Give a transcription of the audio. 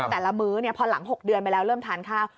แต่ละมื้อพอหลัง๖เดือนไปแล้วเริ่มทานข้าว